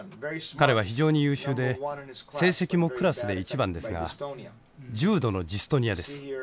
彼は非常に優秀で成績もクラスで１番ですが重度のジストニアです。